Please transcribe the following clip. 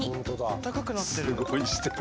あったかくなってる。